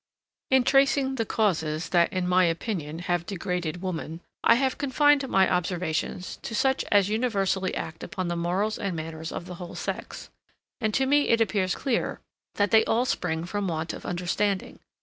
In tracing the causes that in my opinion, have degraded woman, I have confined my observations to such as universally act upon the morals and manners of the whole sex, and to me it appears clear, that they all spring from want of understanding.